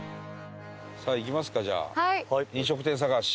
さあ行きますかじゃあ飲食店探し。